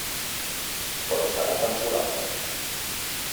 Però serà temporal.